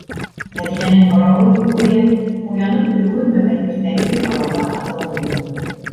- Мәҙинәнең һорауы, гүйә, уянып өлгөрмәгән иртәнге һауала аҫылынды.